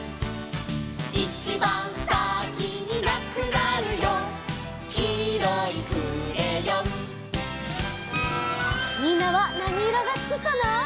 「いちばんさきになくなるよ」「きいろいクレヨン」みんなはなにいろがすきかな？